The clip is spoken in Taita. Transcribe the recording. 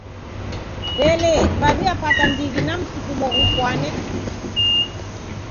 W'elee, waw'iapata ndighi na msukumo ghufwane?